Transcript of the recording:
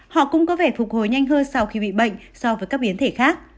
họ cũng có vẻ phục hồi nhanh hơn sau khi bị bệnh so với các biến thể khác